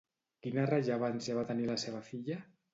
Quina rellevància va tenir la seva filla?